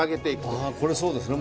ああこれそうですね。